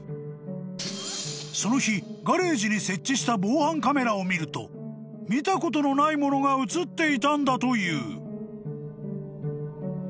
［その日ガレージに設置した防犯カメラを見ると見たことのないものが写っていたんだという］